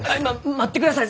待ってください！